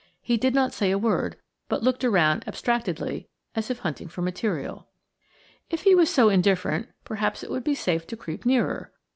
He did not say a word, but looked around abstractedly, as if hunting for material. If he were so indifferent, perhaps it would be safe to creep nearer.